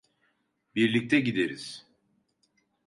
Birlikte gideriz.